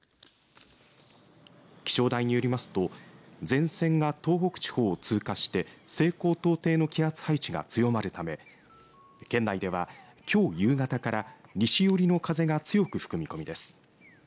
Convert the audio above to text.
気象台によりますと前線が東北地方を通過して西高東低の気圧配置が強まるため県内ではきょう夕方から西寄りの風が強く吹く見込みです。